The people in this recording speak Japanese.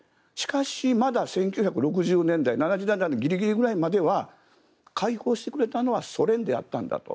しかしまだ１９６０年代７０代のギリギリぐらいまでは解放してくれたのはソ連だったんだと。